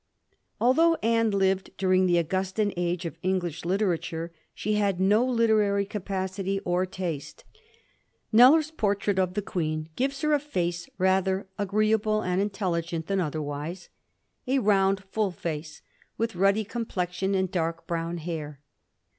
Although Anne lived during the Augustan age of English literature, she had no literary capacity or taste. E^eller's portrait of the Digiti zed by Google 1714 FIGHTING FOR THE CROWN. 3 <}ueeii gives her a face rather agreeable and intelligent than otherwise, a round fiill face with ruddy com plexion and dark brown hair.